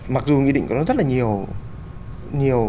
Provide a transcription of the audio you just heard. mặc dù nghị định có rất là nhiều